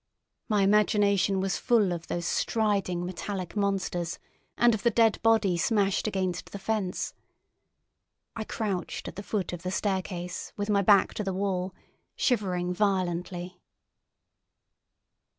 My imagination was full of those striding metallic monsters, and of the dead body smashed against the fence. I crouched at the foot of the staircase with my back to the wall, shivering violently.